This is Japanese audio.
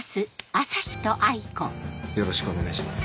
よろしくお願いします。